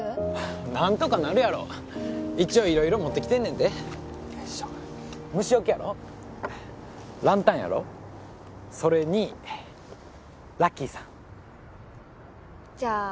なんとかなるやろ一応いろいろ持ってきてんねんでよいしょ虫よけやろランタンやろそれにラッキーさんじゃあ